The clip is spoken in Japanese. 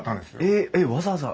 えっわざわざ？